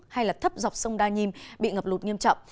hay là thấp dọc sông đa nhiêm bị ngập lụt nghiêm trọng